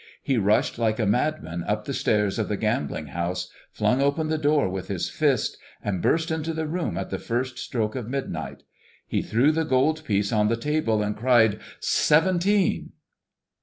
He rushed like a madman up the stairs of the gambling house, flung open the door with his fist, and burst into the room at the first stroke of midnight. He threw the gold piece on the table and cried, "Seventeen!"